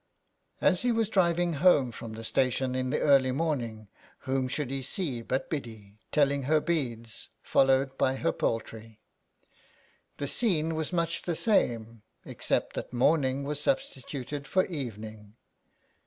As he was driving home from the station in the early morning whom should he see but Biddy, telling her beads, followed by her poultry. The scene was the same except that morning was substituted for evening.